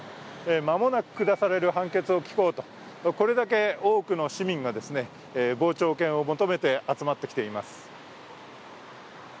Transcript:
間もなく下される判決を聞こうとこれだけ多くの市民が傍聴券を求めて集まってきています。